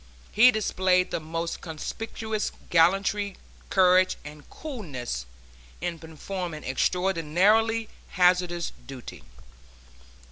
He displayed the most conspicuous gallantry, courage and coolness, in performing extraordinarily hazardous duty.